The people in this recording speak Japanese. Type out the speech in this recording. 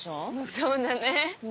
そうだね。